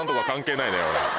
関係ないね。